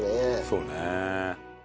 そうね。